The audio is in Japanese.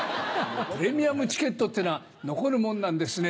プレミアムチケットってのは残るものなんですね。